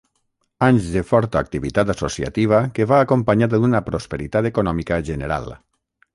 Anys de forta activitat associativa que va acompanyada d’una prosperitat econòmica general.